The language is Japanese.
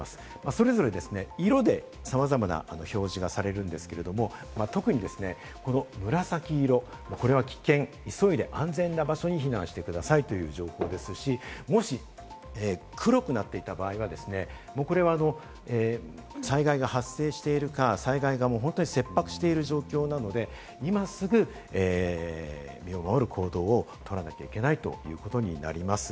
それぞれ色でさまざまな表示がされるんですけれども、特に紫色、これは危険、急いで安全な場所に避難してくださいという情報ですし、もし黒くなっていた場合は、もうこれは災害が発生しているか、災害が本当に切迫している状況なので、今すぐ身を守る行動をとらなきゃいけないということになります。